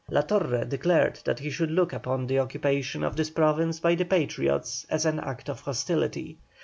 La Torre declared that he should look upon the occupation of this province by the Patriots as an act of hostility.